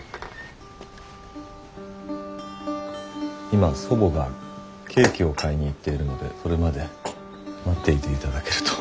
今祖母がケーキを買いに行っているのでそれまで待っていて頂けると。